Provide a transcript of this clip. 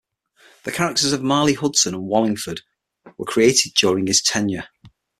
The characters of Marley Hudson and Wallingford were created during his tenure.